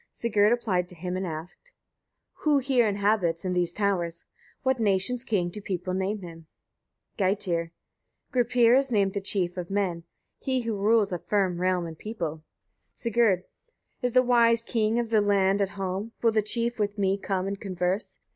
Sigurd applied to him, and asked: 1. Who here inhabits, in these towers? what nation's king do people name him? Geitir. Gripir is named the chief of men, he who rules a firm realm and people. Sigurd. 2. Is the wise king of the land at home? Will the chief with me come and converse?